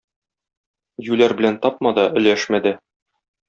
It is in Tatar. Юләр белән тапма да, өләшмә дә.